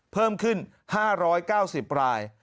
เพิ่มขึ้น๕๙๐ราย